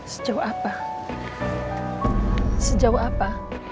sejauh apa sejauh apa